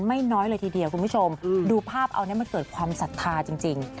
ไม่น้อยเลยทีเดียวคุณผู้ชมดูภาพเอาเนี่ยมันเกิดความศรัทธาจริง